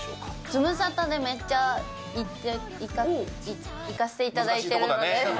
ズムサタでめっちゃ行って、行って、いか、行かせていただいているので。